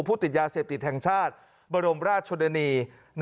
ติดยาเสพติดแห่งชาติบรมราชชนนี